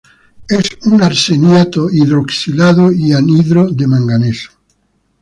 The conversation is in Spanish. Es un arseniato hidroxilado y anhidro de manganeso.